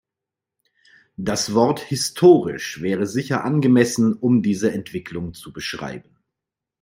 Das Wort "historisch" wäre sicher angemessen, um diese Entwicklung zu beschreiben.